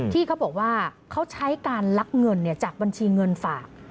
ที่เขาบอกว่าเขาใช้การลักเงินจากบัญชีเงินฝาก